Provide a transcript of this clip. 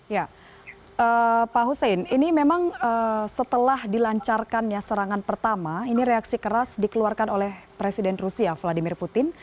ya pak hussein ini memang setelah dilancarkannya serangan pertama ini reaksi keras dikeluarkan oleh presiden rusia vladimir putin